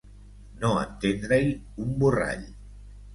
No entendre-hi un borrall.